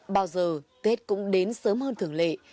bao giờ tết cũng đến sớm hơn thường lệ